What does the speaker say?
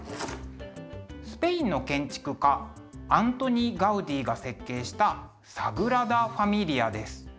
スペインの建築家アントニ・ガウディが設計した「サグラダ・ファミリア」です。